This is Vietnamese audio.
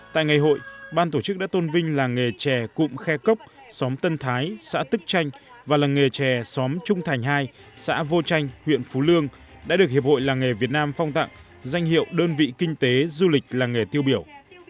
tại ngày hội ban tổ chức đã tôn vinh làng nghề chè cụm khe cốc xóm tân thái xã tức chanh và làng nghề chè xóm trung thành hai xã vô chanh huyện phú lương đã được hiệp hội làng nghề việt nam phong tặng danh hiệu đơn vị kinh tế du lịch làng nghề tiêu biểu